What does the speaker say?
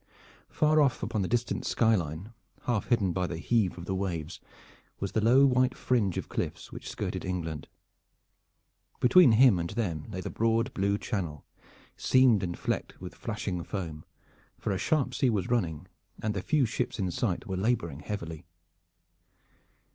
Far off upon the distant sky line, half hidden by the heave of the waves, was the low white fringe of cliffs which skirted England. Between him and them lay the broad blue Channel, seamed and flecked with flashing foam, for a sharp sea was running and the few ships in sight were laboring heavily.